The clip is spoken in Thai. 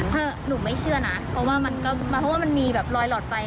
ถ้าหนูไม่เชื่อนะเพราะว่ามันก็มาเพราะว่ามันมีแบบรอยหลอดไฟ